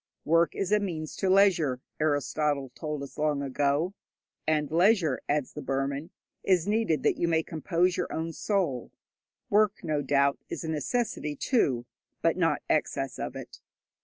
'Work is a means to leisure,' Aristotle told us long ago, and leisure, adds the Burman, is needed that you may compose your own soul. Work, no doubt, is a necessity, too, but not excess of it.